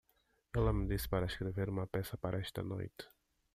Ela me disse para escrever uma peça para esta noite.